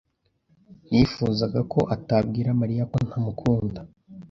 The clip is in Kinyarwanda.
Nifuzaga ko atabwira Mariya ko ntamukunda.